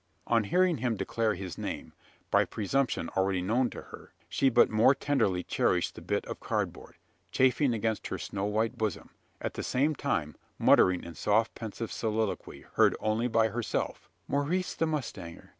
On hearing him declare his name by presumption already known to her she but more tenderly cherished the bit of cardboard, chafing against her snow white bosom; at the same time muttering in soft pensive soliloquy, heard only by herself: "Maurice the mustanger!